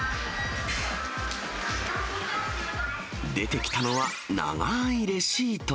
出てきたのは長いレシート。